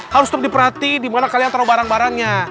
harus tetap diperhati di mana kalian taruh barang barangnya